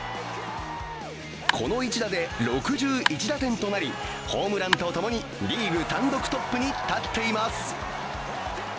この一打で６１打点となり、ホームランとともにリーグ単独トップに立っています。